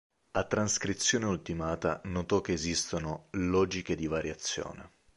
A trascrizione ultimata notò che esistono “logiche di variazione”.